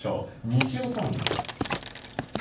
西尾さん。